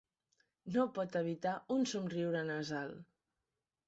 No pot evitar un somriure nasal.